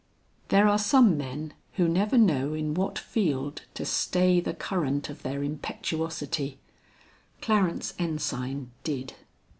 There are some men who never know in what field to stay the current of their impetuosity: Clarence Ensign did.